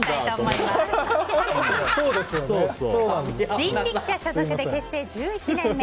人力舎所属で結成１１年目。